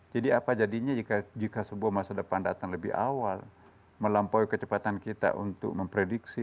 jadi apa jadinya jika sebuah masa depan datang lebih awal melampaui kecepatan kita untuk memprediksi